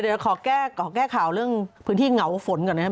เดี๋ยวขอแก้ข่าวเรื่องพื้นที่เหงาฝนก่อนนะครับ